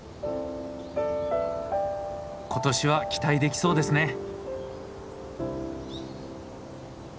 今年は期待できそうですね。